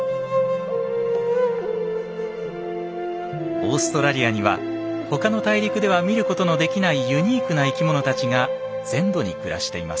オーストラリアには他の大陸では見ることのできないユニークな生き物たちが全土に暮らしています。